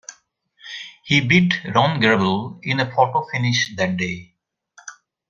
He beat Ron Grable in a photo finish that day.